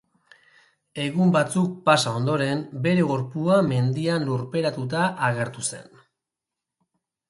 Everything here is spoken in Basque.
Egun batzuk pasa ondoren, bere gorpua mendian lurperatuta agertu zen.